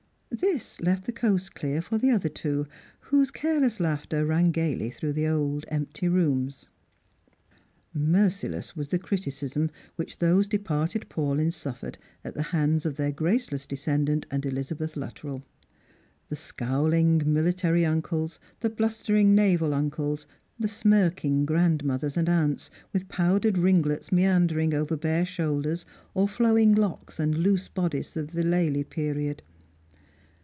This left the coast clear for the other two, whose careless laughter rang gaily through the old empty rooms. Merciless was the criticism 106 Strang&n and Pilgrims. which those departed Paulyns suffered at the hands of their graceless descendant and Ehzabeth Luttrell. The scowhng miUtary uncles, the blustering naval uncles, the smirking grand mothers and aunts, with powdered ringlets meandering over bare shoulders, or flowing locks and loose bodice of the Lely period.